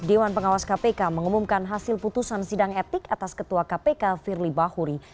dewan pengawas kpk mengumumkan hasil putusan sidang etik atas ketua kpk firly bahuri